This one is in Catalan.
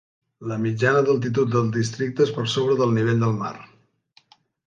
La mitjana d'altitud del districte és per sobre del nivell del mar.